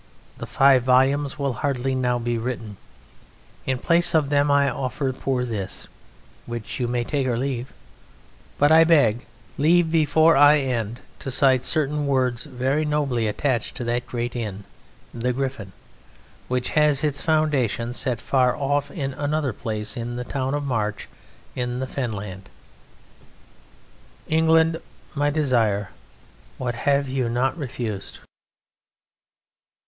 The five volumes will hardly now be written. In place of them I offer poor this, which you may take or leave. But I beg leave before I end to cite certain words very nobly attached to that great inn "The Griffin," which has its foundation set far off in another place, in the town of March, in the Fen Land: "England my desire, what have you not refused?"